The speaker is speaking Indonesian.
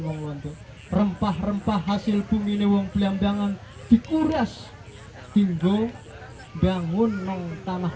wong londo rempah rempah hasil bumi lewong belambangan dikuras tinggo bangun nong tanah